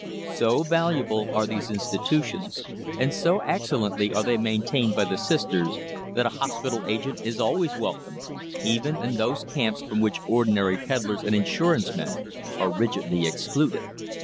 So valuable are these institutions, and so excellently are they maintained by the Sisters, that a hospital agent is always welcome, even in those camps from which ordinary peddlers and insurance men are rigidly excluded.